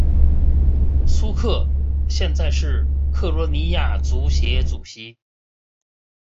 苏克现在是克罗地亚足协主席。